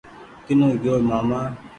ڪينو گيو ماما